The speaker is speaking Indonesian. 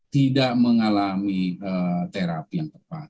tidak mengalami terapi yang tepat